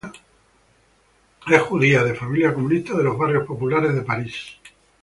Es judía, de familia comunista, de los barrios populares de París.